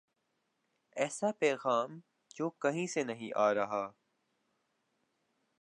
ایسا پیغام جو کہیں سے نہیں آ رہا۔